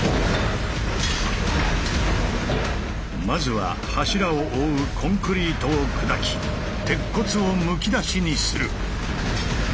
まずは柱を覆うコンクリートを砕き鉄骨をむき出しにする。